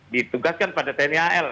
ditugaskan pada tni al